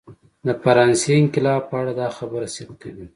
د فرانسې انقلاب په اړه دا خبره صدق کوي.